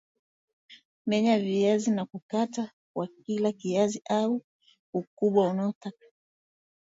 Menya viazi na kukata kwa kila kiazi au ukubwa unaotaka